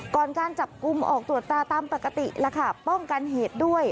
การจับกลุ่มออกตรวจตาตามปกติแล้วค่ะป้องกันเหตุด้วย